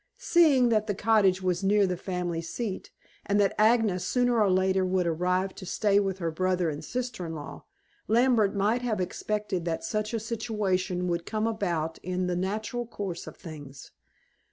Seeing that the cottage was near the family seat, and that Agnes sooner or later would arrive to stay with her brother and sister in law, Lambert might have expected that such a situation would come about in the natural course of things.